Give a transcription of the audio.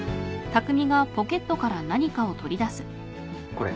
これ。